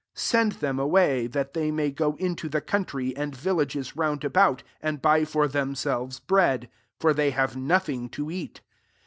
36 Send them away, that they may go into the country and villages round about, and buy for them selves bread : for they have nothing to eat.''